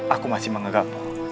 aku masih mengagapmu